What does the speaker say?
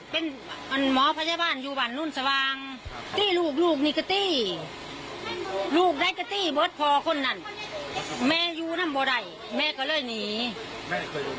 แม่เคยโดนตีด้วยทั้งไหนครับ